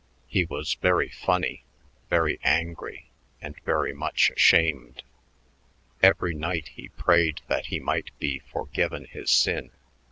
He was very funny, very angry, and very much ashamed. Every night he prayed that he might be forgiven his sin.